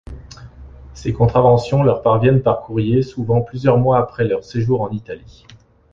Ces contraventions leurs parviennent par courrier souvent plusieurs mois après leurs séjours en Italie.